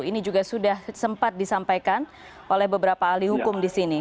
ini juga sudah sempat disampaikan oleh beberapa ahli hukum di sini